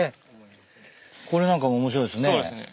これなんかも面白いですね。